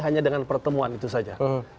hanya dengan pertemuan itu saja